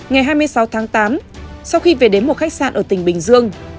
ngày hai mươi sáu tháng tám sau khi về đến một khách sạn ở tỉnh bình dương